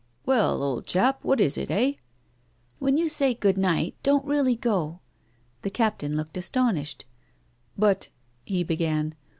" "Well, old chap, what is it, eh?" " When you say * good night,* don't really go." The Captain looked astonished. " But " he began.